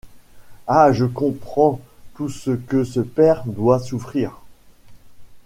Ah! je comprends tout ce que ce père doit souffrir !